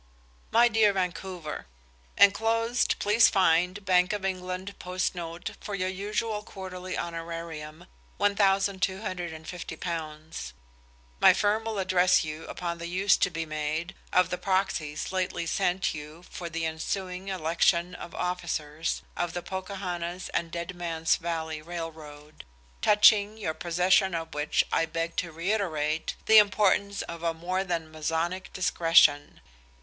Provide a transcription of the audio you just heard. "MY DEAR VANCOUVER, "Enclosed please find Bank of England Post Note for your usual quarterly honorarium, £1250. My firm will address you upon the use to be made of the Proxies lately sent you for the ensuing election of officers of the Pocahontas and Dead Man's Valley R. R., touching your possession of which I beg to reiterate the importance of a more than Masonic discretion.